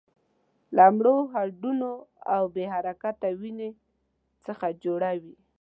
له مړو هډونو او بې حرکته وينې څخه جوړه وه.